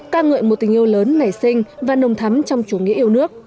ca ngợi một tình yêu lớn nảy sinh và nồng thắm trong chủ nghĩa yêu nước